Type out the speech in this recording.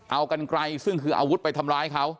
เอากันไกลซึ่งคืออาวุธไปทำร้ายเขา